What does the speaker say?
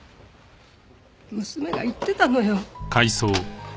娘が言ってたのよ。